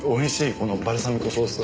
このバルサミコソース。